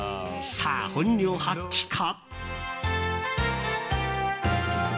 さあ、本領発揮か？